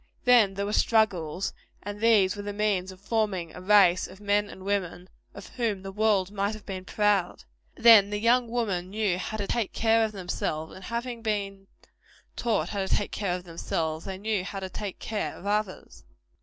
Then there were struggles; and these were the means of forming a race of men and women, of whom the world might have been proud. Then the young women knew how to take care of themselves; and having been taught how to take care of themselves, they knew how to take care of others.